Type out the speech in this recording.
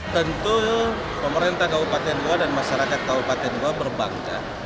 tentu pemerintah kabupaten goa dan masyarakat kabupaten goa berbangsa